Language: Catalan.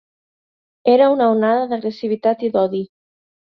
Era una onada d'agressivitat i d'odi.